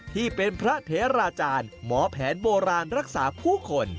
ที่เป็นพระเถราจารย์หมอแผนโบราณรักษาผู้คน